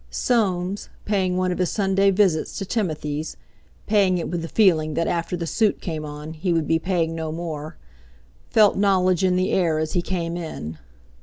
Soames, paying one of his Sunday visits to Timothy's—paying it with the feeling that after the suit came on he would be paying no more—felt knowledge in the air as he came in.